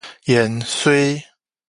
芫荽